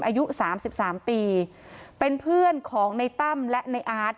อายุสามสิบสามปีเป็นเพื่อนของในตั้มและในอาร์ต